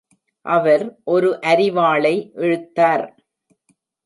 அவர் ஒரு அரிவாளை இழுத்தார்